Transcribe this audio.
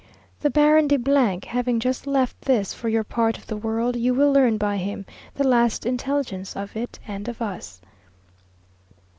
The Baron de having just left this for your part of the world, you will learn by him the last intelligence of it and of us.